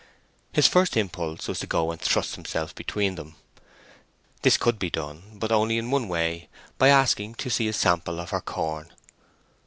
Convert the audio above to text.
His first impulse was to go and thrust himself between them. This could be done, but only in one way—by asking to see a sample of her corn.